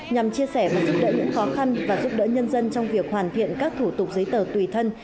nhằm chia sẻ và giúp đỡ những khó khăn và giúp đỡ nhân dân trong việc hoàn thiện các thủ tục giấy tờ tùy thân